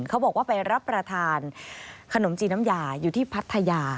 เขาบอกว่าไปรับประทานขนมจีนน้ำยาอยู่ที่พัทยา